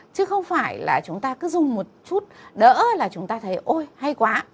chứ không phải là chúng ta cứ dùng một chút đỡ là chúng ta thấy ôi hay quá